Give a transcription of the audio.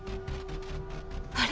あれ？